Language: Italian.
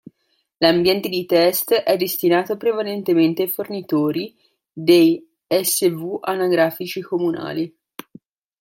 L'ambiente di test è destinato prevalentemente ai fornitori dei SW anagrafici comunali.